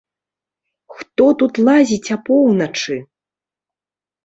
Хто тут лазіць апоўначы?